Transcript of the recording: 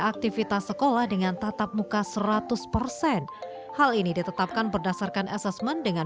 aktivitas sekolah dengan tatap muka seratus persen hal ini ditetapkan berdasarkan asesmen dengan